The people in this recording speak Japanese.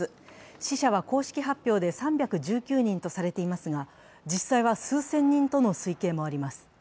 死者は公式発表で３１９人とされていますが、実際は数千人との推計もあります。